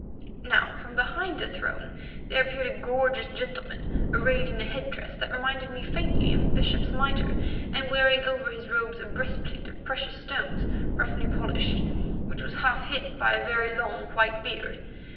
Now from behind the throne there appeared a gorgeous gentleman arrayed in a head dress that reminded me faintly of a bishop's mitre, and wearing over his robes a breastplate of precious stones roughly polished, which was half hidden by a very long white beard.